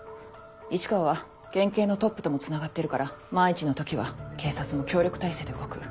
市川は県警のトップともつながってるから万一の時は警察も協力体制で動く。